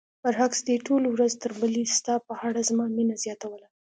برعکس دې ټولو ورځ تر بلې ستا په اړه زما مینه زیاتوله.